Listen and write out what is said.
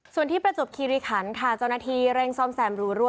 ส่วนที่ประจวบคิริขันค่ะเจ้าหน้าที่เร่งซ่อมแซมรูรั่